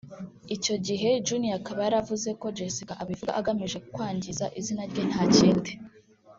icyo gihe Junior akaba yaravuze ko Jessica abivuga agamije kwangiza izina rye nta kindi